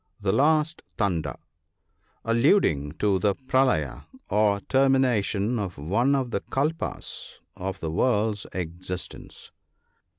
The last thunder, — Alluding to the " Pralaya," or termination of one of the Kalpas of the world's existence.